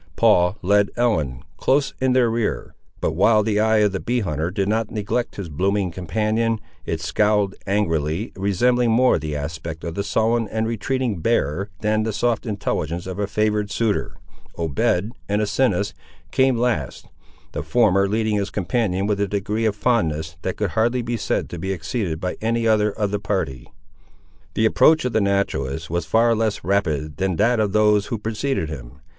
Paul led Ellen, close in their rear. But while the eye of the bee hunter did not neglect his blooming companion, it scowled angrily, resembling more the aspect of the sullen and retreating bear than the soft intelligence of a favoured suitor. Obed and Asinus came last, the former leading his companion with a degree of fondness that could hardly be said to be exceeded by any other of the party. The approach of the naturalist was far less rapid than that of those who preceded him.